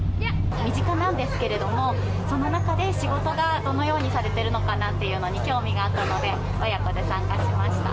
身近なんですけれども、その中で仕事がどのようにされてるのかなっていうのに興味があったので、親子で参加しました。